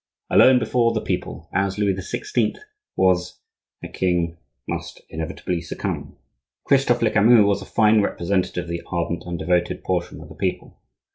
Alone before the people, as Louis XVI. was, a king must inevitably succumb. Christophe Lecamus was a fine representative of the ardent and devoted portion of the people.